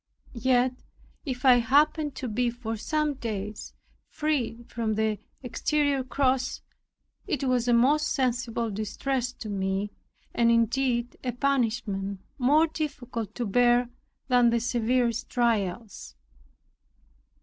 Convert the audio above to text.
Yet, if I happened to be for some days freed from the exterior cross, it was a most sensible distress to me, and indeed a punishment more difficult to bear than the severest trials.